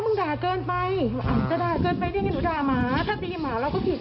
มึงด่าเกินไปอ่าจะด่าเกินไปได้ไงหนูด่าหมาถ้าดีหมาเราก็ผิดอีก